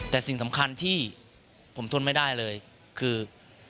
แต่สิ่งสำคัญที่ผมทนไม่ได้เลยคือ